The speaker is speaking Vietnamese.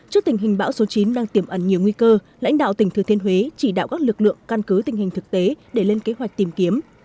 trước tình hình bão số chín đang tiềm ẩn nhiều nguy cơ lãnh đạo tỉnh thừa thiên huế chỉ đạo các lực lượng căn cứ tình hình thực tế để lên kế hoạch tìm kiếm